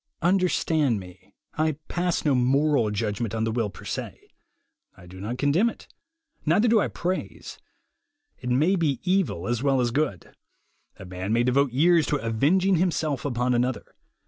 Understand me, I pass no moral judgment on the will per se. I do not condemn it, neither do I praise. It may be evil as well as good. A man may devote years to avenging himself upon another.